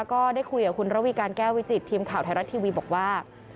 ก็ได้คุยกับคุณระวีการแก้ววิจิตทีมข่าวไทยรัฐทีวีบอกว่า